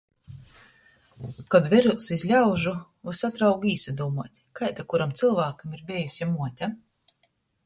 Kod verūs iz ļaužu, vysod raugu īsadūmuot, kaida kuram cylvākam ir bejuse muote.